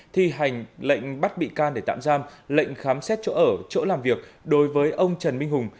thi hành lệnh bắt bị can để tạm giam lệnh khám xét chỗ ở chỗ làm việc đối với ông trần minh hùng